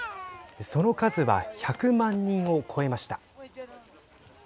その数は１００万人を超えました。